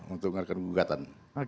untuk melakukan gugatan